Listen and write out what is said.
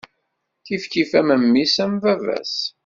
Kifkif am mmi-s, am baba-s.